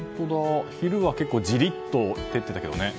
昼は結構じりっと照ってたけどね。